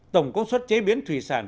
tổng công suất chế biến thủy sản